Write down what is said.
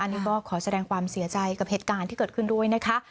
อันนี้ก็ขอแสดงความเสียใจกับเหตุการณ์ที่เกิดขึ้นด้วยนะคะ